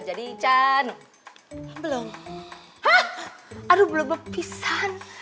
hah aduh belum berpisahan